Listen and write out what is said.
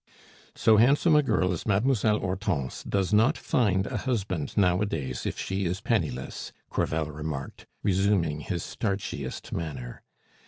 "So handsome a girl as Mademoiselle Hortense does not find a husband nowadays if she is penniless," Crevel remarked, resuming his starchiest manner.